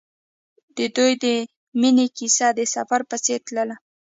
د دوی د مینې کیسه د سفر په څېر تلله.